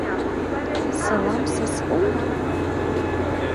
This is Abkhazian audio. Салам са сҟнытә?